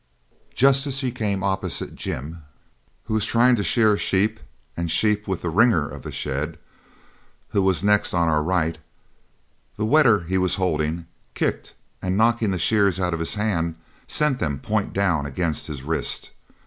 Just as she came opposite Jim, who was trying to shear sheep and sheep with the 'ringer' of the shed, who was next on our right, the wether he was holding kicked, and knocking the shears out of his hand, sent them point down against his wrist.